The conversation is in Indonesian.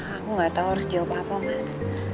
aku gak tahu harus jawab apa mas